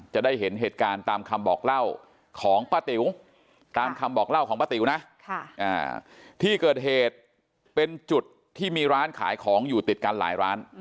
จะได้เห็นเหตุการณ์ตามคำบอกเล่าของป้าติ๋วตามคำบอกเล่าของป้าติ๋วนะที่เกิดเหตุเป็นจุดที่มีร้านขายของอยู่ติดกันหลายร้าน